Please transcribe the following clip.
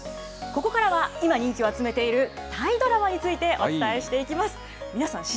ここからは今、人気を集めているタイドラマについてお伝えしていきます。